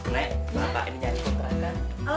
nek bapak ini nyari untuk anda